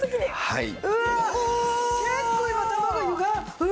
はい。